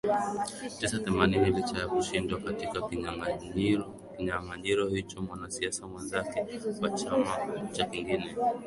tisa themanini Licha ya kushindwa katika kinyanganyiro hicho mwanasiasa mwenzake wa chama cha kingine